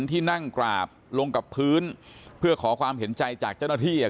ที่นั่งกราบลงกับพื้นเพื่อขอความเห็นใจจากเจ้าหน้าที่อ่ะ